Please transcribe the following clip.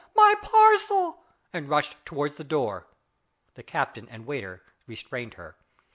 my parcel!" and rushed towards the door. The captain and waiter restrained her.